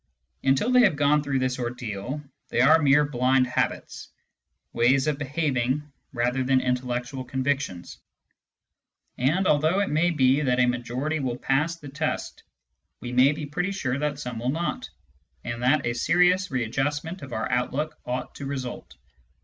Until they have gone through this ordeal, they are mere blind habits, ways of behaving rather than intellectual convictions. And although it may be that a majority will pass the test, we may be pretty sure that some will not, and that a serious rea4justment of our outlook ought to result.